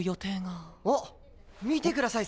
あっ見てください